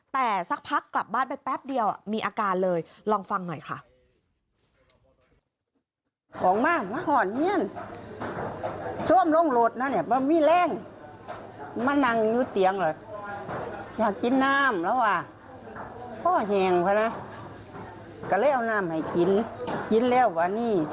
แต่สักพักกลับบ้านไปแป๊บเดียวมีอาการเลยลองฟังหน่อยค่ะ